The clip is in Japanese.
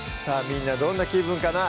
みんなどんな気分かな？